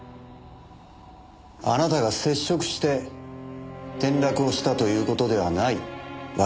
あなたが接触して転落をしたという事ではないわけですね？